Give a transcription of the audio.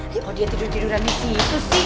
kok dia tidur tiduran disitu sih